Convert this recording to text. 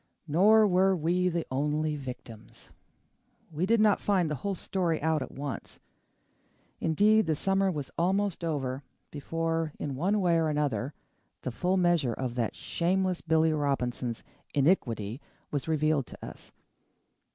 Nor were we the only victims. We did not find the whole story out at once. Indeed, the summer was almost over before, in one way or another, the full measure of that shameless Billy Robinson's iniquity was revealed to us.